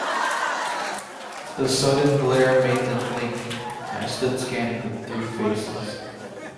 The sudden glare made them blink, and I stood scanning the three faces.